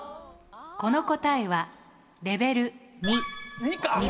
この答えはレベル２。